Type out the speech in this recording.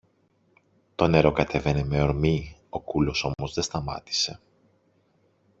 Το νερό κατέβαινε με ορμή, ο κουλός όμως δε σταμάτησε.